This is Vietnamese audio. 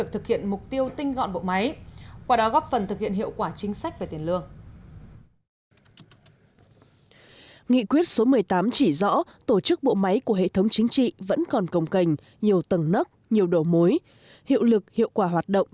thưa quý vị tính đến thời điểm này việc cải cách vẫn chưa đạt được nhiều kỳ vọng